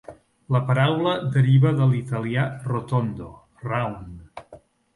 La paraula deriva de l'italià "rotondo," "round.